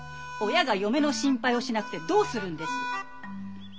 親が嫁の心配をしなくてどうするんです！